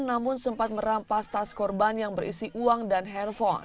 namun sempat merampas tas korban yang berisi uang dan handphone